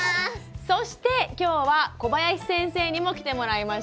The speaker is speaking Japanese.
そして今日は小林先生にも来てもらいました。